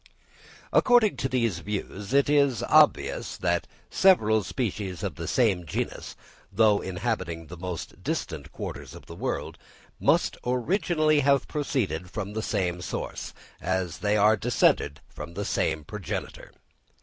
According to these views, it is obvious that the several species of the same genus, though inhabiting the most distant quarters of the world, must originally have proceeded from the same source, as they are descended from the same progenitor.